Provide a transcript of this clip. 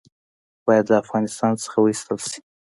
باید له افغانستان څخه وایستل شي.